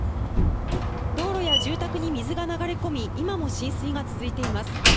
道路や住宅に水が流れ込み、今も浸水が続いています。